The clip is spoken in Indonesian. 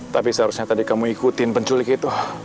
tapi seharusnya tadi kamu ikutin penculik itu